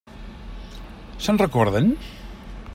Se'n recorden?